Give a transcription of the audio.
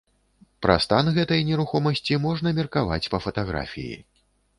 Пра стан гэтай нерухомасці можна меркаваць па фатаграфіі.